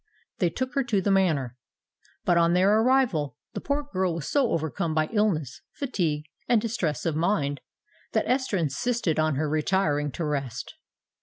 They took her to the Manor; but on their arrival, the poor girl was so overcome by illness, fatigue, and distress of mind, that Esther insisted on her retiring to rest.